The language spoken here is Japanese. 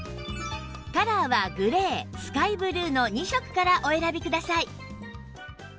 カラーはグレースカイブルーの２色からお選びください